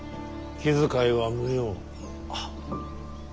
気遣いは無用。